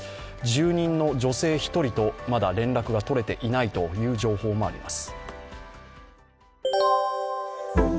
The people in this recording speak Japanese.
住人の女性１人とまだ連絡が取れていないという情報もあります。